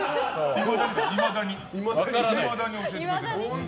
いまだに教えてくれてない。